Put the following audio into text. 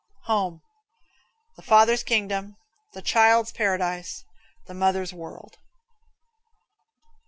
Home. The father's kingdom; the child's paradise; the mother's world.